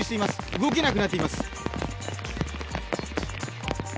動けなくなっています。